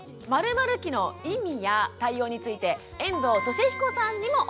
「○○期」の意味や対応について遠藤利彦さんにもお話を伺います。